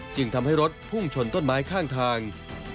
จึงทำให้รถพุ่งชนต้นไม้ข้างทาง